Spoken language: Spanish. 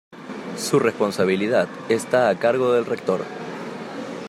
Su responsabilidad está a cargo del Rector.